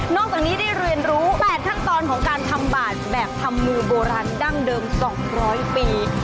จากนี้ได้เรียนรู้๘ขั้นตอนของการทำบาดแบบทำมือโบราณดั้งเดิม๒๐๐ปี